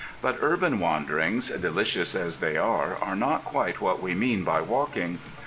But urban wanderings, delicious as they are, are not quite what we mean by walking.